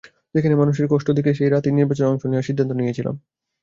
সেখানে মানুষের কষ্ট দেখে সেই রাতেই নির্বাচনে অংশ নেওয়ার সিদ্ধান্ত নিয়েছিলাম।